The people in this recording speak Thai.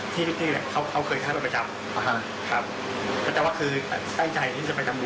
แสดงว่าคนที่เขาเคยถ้าไปประจำแต่จะว่าคือใต้ใจที่จะไปทำบุ